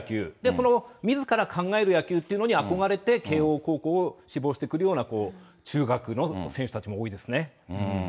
このみずから考える野球というのに憧れて、慶応高校を志望してくるような中学の選手たちも多いですね。